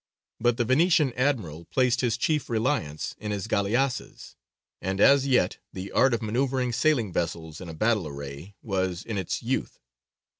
But the Venetian admiral placed his chief reliance in his galleasses, and as yet the art of manoeuvring sailing vessels in battle array was in its youth.